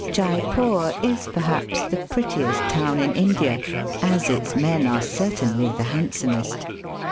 Jeypore is perhaps the prettiest town in India, as its men are certainly the hand somest.